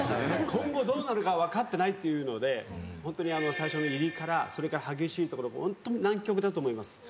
今後どうなるか分かってないっていうので最初の入りからそれから激しいところホント難曲だと思います。